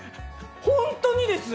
ホントにです！